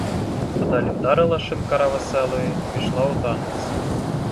А далі вдарила шинкарка веселої, пішла у танець.